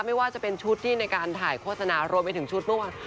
ไม่ว่าจะเป็นชุดที่ในการถ่ายโฆษณารวมไปถึงชุดเมื่อวาน